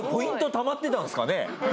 たまってたんですかね？